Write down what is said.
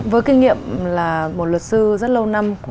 với kinh nghiệm là một luật sư rất lâu năm